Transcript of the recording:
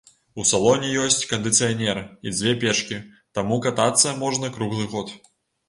У салоне ёсць кандыцыянер і дзве печкі, таму катацца можна круглы год.